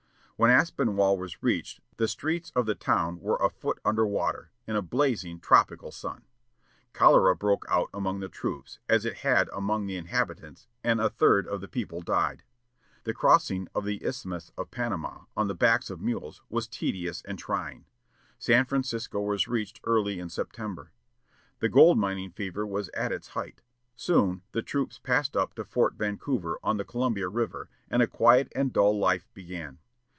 When Aspinwall was reached the streets of the town were a foot under water, in a blazing, tropical sun. Cholera broke out among the troops, as it had among the inhabitants, and a third of the people died. The crossing of the Isthmus of Panama, on the backs of mules, was tedious and trying. San Francisco was reached early in September. The gold mining fever was at its height. Soon the troops passed up to Fort Vancouver, on the Columbia River, and a quiet and dull life began.